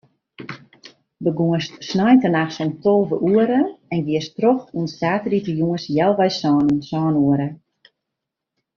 Begûnst sneintenachts om tolve oere en giest troch oant saterdeitejûns healwei sânen, sân oere.